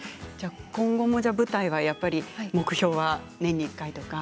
今後も舞台はやっぱり目標は年に１回とか。